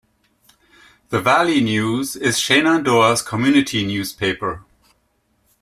The Valley News is Shenandoah's community newspaper.